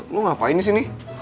lo ngapain di sini